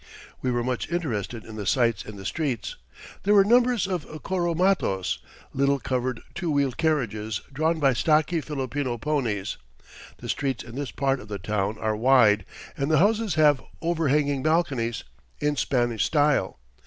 We were much interested in the sights in the streets. There were numbers of carromatos, little covered two wheeled carriages, drawn by stocky Filipino ponies. The streets in this part of the town are wide, and the houses have overhanging balconies, in Spanish style.